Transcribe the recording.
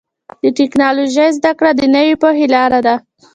د ټکنالوجۍ زدهکړه د نوې پوهې لاره ده.